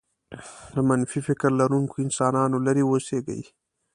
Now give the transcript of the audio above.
له منفي فکر لرونکو انسانانو لرې اوسېږئ.